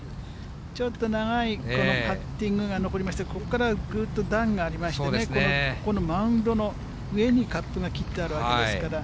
ちょっと長い、このパッティングが残りまして、ここからぐっと段がありましてね、このマウンドの上にカップが切ってあるわけですから。